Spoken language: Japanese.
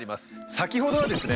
先ほどはですね